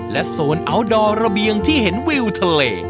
โซนอัลดอร์ระเบียงที่เห็นวิวทะเล